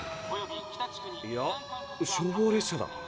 いや消防列車だ。